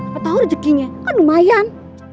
padahal rezekinya kan lumayan